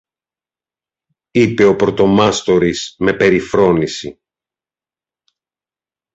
είπε ο πρωτομάστορης με περιφρόνηση.